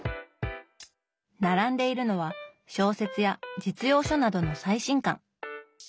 並んでいるのは小説や実用書などの最新刊。